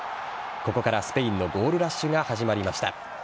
ここからスペインのゴールラッシュが始まりました。